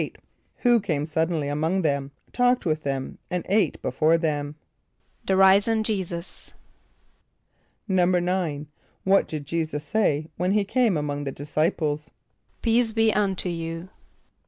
= Who came suddenly among them, talked with them, and ate before them? =The risen J[=e]´[s+]us.= =9.= What did J[=e]´[s+]us say when he came among the disciples? ="Peace be unto you."